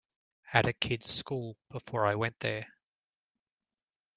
At a kid's school before I went there.